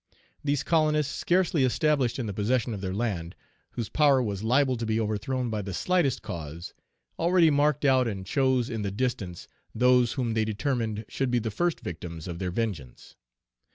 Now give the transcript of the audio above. These colonists, scarcely established in the possession of their land, whose power was liable to be overthrown by the slightest cause, already marked out and chose in the distance those whom they determined should be the first victims of their vengeance.